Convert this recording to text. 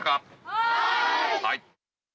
はい。